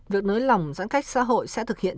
việc nới lỏng giãn cách xã hội sẽ thực hiện